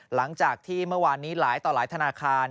หลังจากที่เมื่อวานนี้หลายต่อหลายธนาคาร